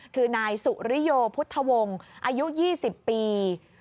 คือนายสุริโยพุทธวงศ์อายุ๒๐ปี